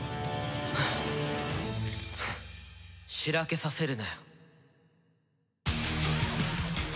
しらけさせるなよ。